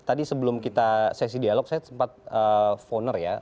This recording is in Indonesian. tadi sebelum kita sesi dialog saya sempat fonor ya